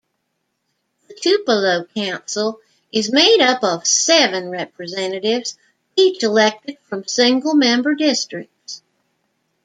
The Tupelo Council is made up of seven representatives, each elected from single-member districts.